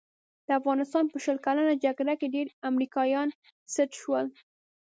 د افغانستان په شل کلنه جګړه کې ډېر امریکایان سټ شول.